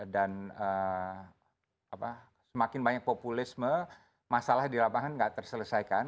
dan semakin banyak populisme masalah di lapangan gak terselesaikan